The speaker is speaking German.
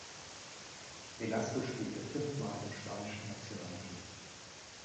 Velasco spielte fünf Mal im spanischen Nationalteam.